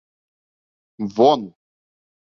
Вон!